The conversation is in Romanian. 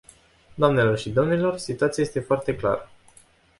Doamnelor și domnilor, situația este foarte clară.